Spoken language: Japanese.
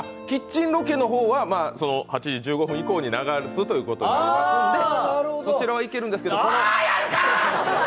キッチンロケの方は８時１５分以降に流すということでそちらはいけるんですけど。